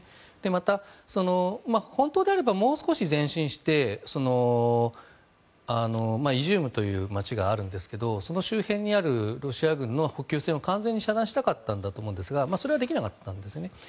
また、本当であればもう少し前進してイジュームという街がありますがその周辺にあるロシア軍の補給線を遮断したかったと思いますがそれはできなかったんです。